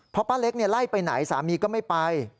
เพราะป้าเล็กไล่ไปไหนสามีก็ไม่ไป